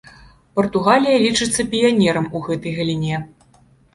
Партугалія лічыцца піянерам у гэтай галіне.